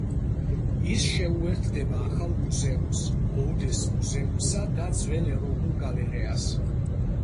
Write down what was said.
ის შეუერთდება ახალ მუზეუმს, ბოდეს მუზეუმსა და ძველ ეროვნულ გალერეას.